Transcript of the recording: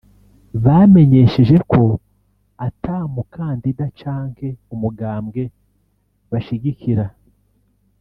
Bamenyesheje ko ata mukandida canke umugambwe bashigikira